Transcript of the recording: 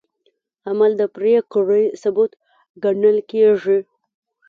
عمل د پرېکړې ثبوت ګڼل کېږي.